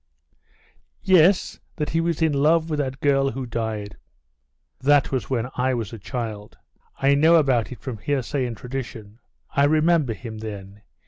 "Yes, that he was in love with that girl who died...." "That was when I was a child; I know about it from hearsay and tradition. I remember him then.